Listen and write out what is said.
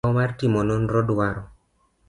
migawo mar timo nonro dwaro